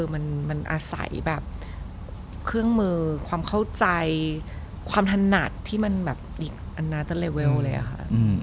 มันอาศัยแบบเครื่องมือความเข้าใจความถนัดที่มันอีกอันดับละครั่วเลยอะค่ะ